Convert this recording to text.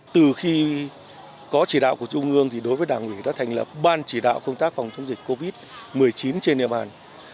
từ khi có chỉ đạo của trung ương thì đối với đảng ủy đã thành lập ban chỉ đạo công tác phòng chống dịch covid một mươi chín trên địa bàn